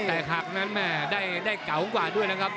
แต่หักนั้นแม่ได้เก๋ากว่าด้วยนะครับ